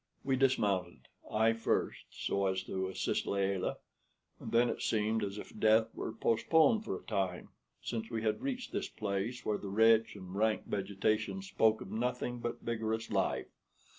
We dismounted I first, so as to assist Layelah; and then it seemed as if death were postponed for a time, since we had reached this place where the rich and rank vegetation spoke of nothing but vigorous life.